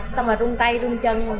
xong rồi rung tay rung chân